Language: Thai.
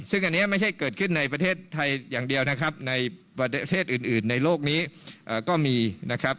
ซึ่งอันนี้ไม่ใช่เกิดขึ้นในประเทศไทยอย่างเดียวนะครับในประเทศอื่นในโลกนี้ก็มีนะครับ